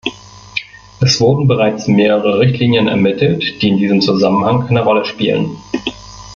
Es wurden bereits mehrere Richtlinien ermittelt, die in diesem Zusammenhang eine Rolle spielen.